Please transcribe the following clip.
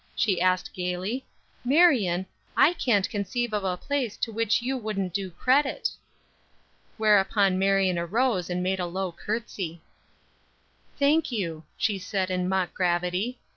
she asked, gaily. "Marion, I can't conceive of a place to which you wouldn't do credit." Whereupon Marion arose and made a low courtesy. "Thank you," she said, in mock gravity.